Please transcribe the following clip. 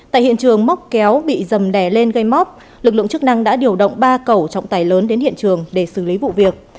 tại hiện trường móc kéo bị dầm đẻ lên gây móc lực lượng chức năng đã điều động ba cẩu trọng tài lớn đến hiện trường để xử lý vụ việc